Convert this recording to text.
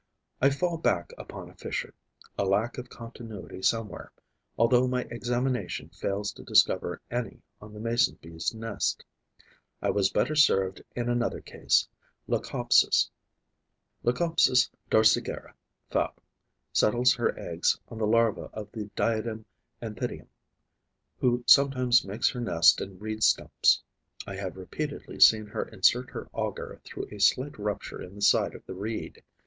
I fall back upon a fissure, a lack of continuity somewhere, although my examination fails to discover any on the Mason bee's nest. I was better served in another case. Leucopsis dorsigera, FAB., settles her eggs on the larva of the Diadem Anthidium, who sometimes makes her nest in reed stumps. I have repeatedly seen her insert her auger through a slight rupture in the side of the reed.